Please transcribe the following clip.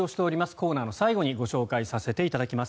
コーナーの最後にご紹介させていただきます。